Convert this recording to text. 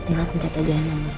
udah tinggal pencet aja nomer